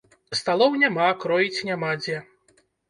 Сталоў няма, кроіць няма дзе.